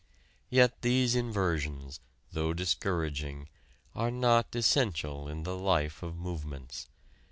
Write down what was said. Yet these inversions, though discouraging, are not essential in the life of movements.